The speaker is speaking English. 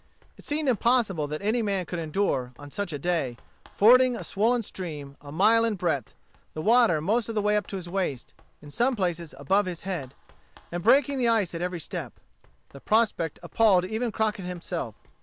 It seemed impossible that any man could endure, on such a day, fording a swollen stream, a mile in breadth, the water most of the way up to his waist, in some places above his head, and breaking the ice at every step. The prospect appalled even Crockett himself.